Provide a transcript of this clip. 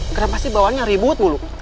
kenapa sih bawanya ribut bulu